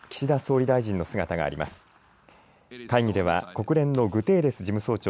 議場には岸田総理大臣の姿があります。